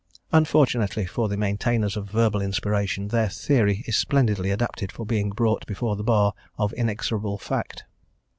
Unfortunately for the maintainers of verbal inspiration, their theory is splendidly adapted for being brought before the bar of inexorable fact.